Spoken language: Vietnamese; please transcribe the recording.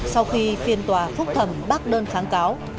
sau khi phiên tòa phúc thẩm bác đơn kháng cáo